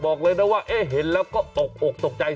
บอกเลยนะว่าเห็นแล้วก็อกตกใจ